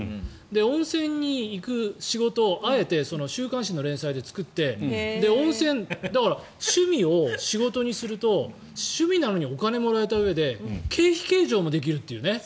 温泉に行く仕事をあえて週刊誌の連載で作って趣味を仕事にすると趣味なのにお金をもらえたうえで経費計上もできるというね。